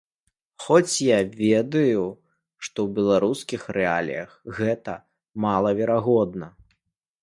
Хоць я ведаю, што ў беларускіх рэаліях гэта малаверагодна.